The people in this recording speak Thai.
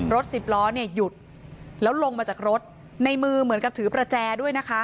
สิบล้อเนี่ยหยุดแล้วลงมาจากรถในมือเหมือนกับถือประแจด้วยนะคะ